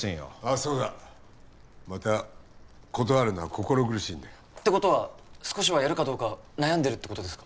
そうだまた断るのは心苦しいんだよってことは少しはやるかどうか悩んでるってことですか？